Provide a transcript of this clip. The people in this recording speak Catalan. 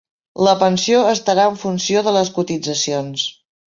La pensió estarà en funció de les cotitzacions.